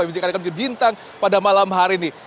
maksudnya mereka menjadi bintang pada malam hari ini